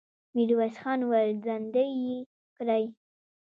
ميرويس خان وويل: زندۍ يې کړئ!